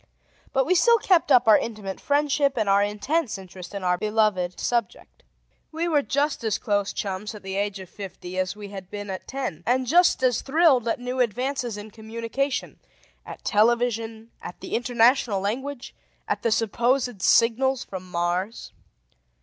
But we still kept up our intimate friendship and our intense interest in our beloved subject. We were just as close chums at the age of fifty as we had been at ten, and just as thrilled at new advances in communication: at television, at the international language, at the supposed signals from Mars.